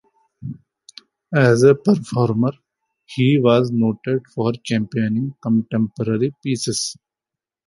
As a performer, he was noted for championing contemporary pieces.